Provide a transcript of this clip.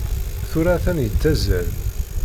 Tura atan yettazzal.